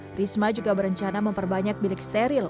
trisma juga berencana memperbanyak bilik steril